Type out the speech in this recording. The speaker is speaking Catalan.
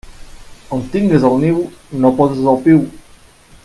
On tingues el niu, no poses el piu.